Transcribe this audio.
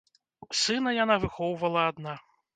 Сына яна выхоўвала адна.